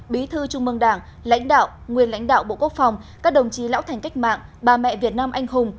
bí thư trung mương đảng lãnh đạo nguyên lãnh đạo bộ quốc phòng các đồng chí lão thành cách mạng bà mẹ việt nam anh hùng